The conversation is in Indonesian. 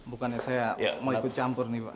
bukannya saya mau ikut campur nih pak